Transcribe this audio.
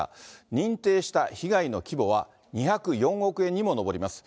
認定した被害の規模は２０４億円にも上ります。